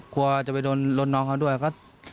กลัวจะไปโดนรถน้องเขาด้วย